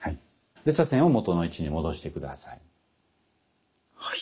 で茶筅を元の位置に戻して下さい。